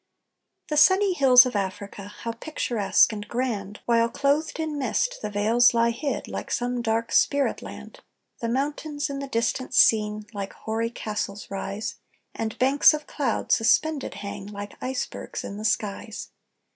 _ The sunny hills of Africa, how picturesque and grand, While clothed in mist the vales lie hid, like some dark spirit land The mountains in the distance seen, like hoary castles rise, And banks of clouds suspended hang, like icebergs in the skies.